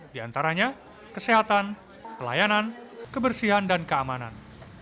di antaranya kesehatan pelayanan kebersihan dan keamanan